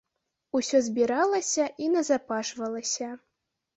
Усё збіралася і назапашвалася.